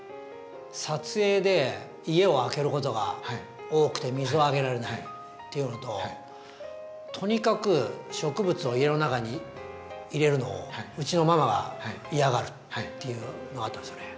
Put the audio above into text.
撮影で家を空けることが多くて水をあげられないっていうのととにかく植物を家の中に入れるのをうちのママが嫌がるっていうのがあったんですよね。